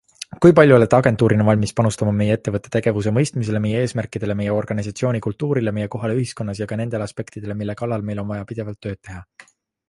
Kui palju olete agentuurina valmis panustama meie ettevõtte tegevuse mõistmisele, meie eesmärkidele, meie organisatsioonikultuurile, meie kohale ühiskonnas ja ka nendele aspektidele, mille kallal meil on vaja pidevalt tööd teha?